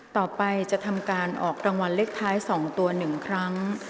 ต่อไปจะทำการออกรางวัลเลขท้าย๒ตัว๑ครั้ง